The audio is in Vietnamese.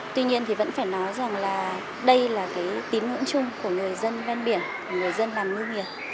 tuy nhiên thì vẫn phải nói rằng là đây là cái tín ngưỡng chung của người dân ven biển người dân làm ngư nghiệp